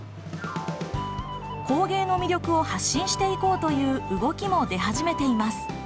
工芸の魅力を発信していこうという動きも出始めています。